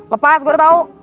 lepas gue udah tau